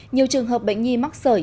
nhiều trường hợp bệnh nhi mắc sởi